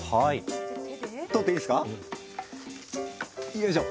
よいしょ。